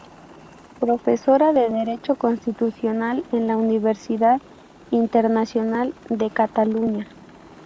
Profesora de Derecho Constitucional en la Universidad Internacional de Cataluña.